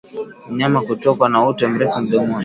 Mnyama kutokwa na ute mrefu mdomoni